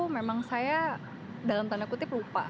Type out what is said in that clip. memang saya dalam tanda kutip lupa